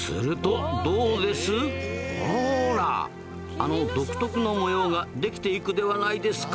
あの独特の模様ができていくではないですか。